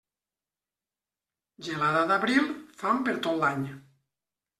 Gelada d'abril, fam per tot l'any.